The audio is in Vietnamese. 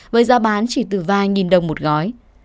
với giá bán chỉ từ vài nghìn đồng một gói